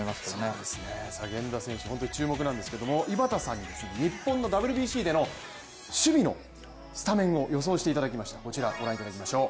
注目なんですけれども、井端さんに日本のＷＢＣでの守備のスタメンを予想していただきました。